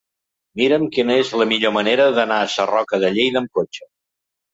Mira'm quina és la millor manera d'anar a Sarroca de Lleida amb cotxe.